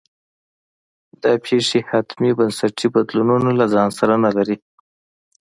دا پېښې حتمي بنسټي بدلونونه له ځان سره نه لري.